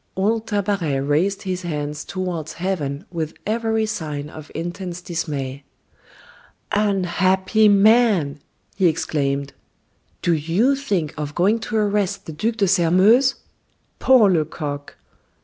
Old Tabaret raised his hands toward heaven with every sign of intense dismay. "Unhappy man!" he exclaimed; "do you think of going to arrest the Duc de Sairmeuse! Poor Lecoq!